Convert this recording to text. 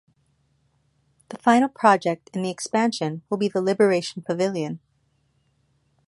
The final project in the expansion will be the Liberation Pavilion.